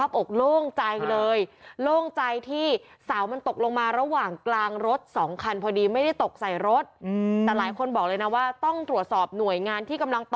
แสดงความคิดเห็นเยอะ